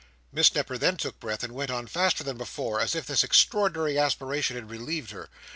Miss Nipper then took breath, and went on faster than before, as if this extraordinary aspiration had relieved her.